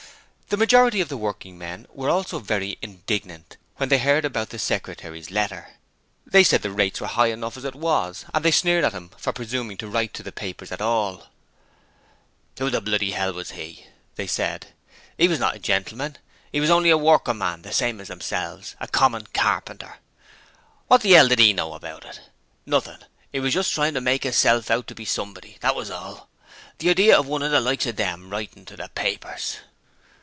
The majority of the working men were also very indignant when they heard about the Secretary's letter: they said the rates were quite high enough as it was, and they sneered at him for presuming to write to the papers at all: 'Who the bloody 'ell was 'e?' they said. ''E was not a Gentleman! 'E was only a workin' man the same as themselves a common carpenter! What the 'ell did 'e know about it? Nothing. 'E was just trying to make 'isself out to be Somebody, that was all. The idea of one of the likes of them writing to the papers!'